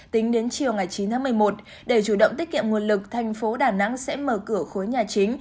tính đến chiều ngày chín tháng một mươi một để chủ động tiết kiệm nguồn lực thành phố đà nẵng sẽ mở cửa khối nhà chính